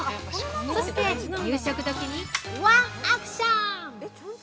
そして、夕食どきにワンアクション！